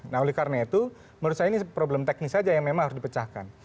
nah oleh karena itu menurut saya ini problem teknis saja yang memang harus dipecahkan